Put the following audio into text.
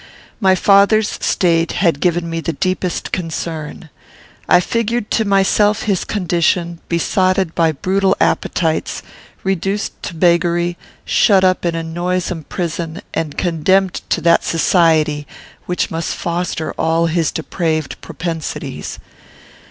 My father's state had given me the deepest concern. I figured to myself his condition, besotted by brutal appetites, reduced to beggary, shut up in a noisome prison, and condemned to that society which must foster all his depraved propensities.